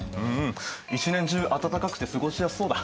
一年中暖かくて過ごしやすそうだ。